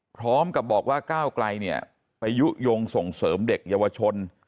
พร้อมกับบอกว่าก้าวไกลเนี่ยไปยุโยงส่งเสริมเด็กเยาวชน